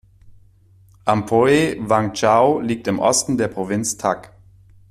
Amphoe Wang Chao liegt im Osten der Provinz Tak.